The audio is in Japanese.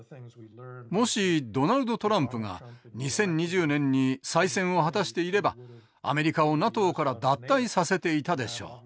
もしドナルド・トランプが２０２０年に再選を果たしていればアメリカをＮＡＴＯから脱退させていたでしょう。